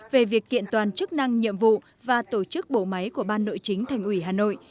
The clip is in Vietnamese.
về việc kiện toàn chức năng nhiệm vụ và tổ chức bộ máy của ban nội chính thành ủy hà nội